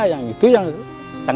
saya takut saya sama istrinya sudah dua